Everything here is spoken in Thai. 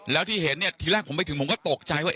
แล้วที่เห็นเนี่ยทีแรกผมไปถึงผมก็ตกใจว่า